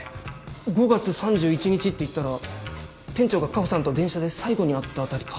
５月３１日って言ったら店長が果帆さんと電車で最後に会ったあたりか？